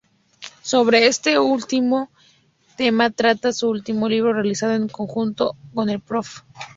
Sobre este último tema trata su último libro, realizado en conjunto con el Prof.